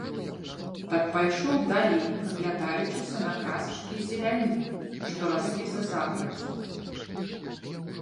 Так пайшоў далей, прыглядаючыся на красачкі і зеляніну, што раслі за загараддзю.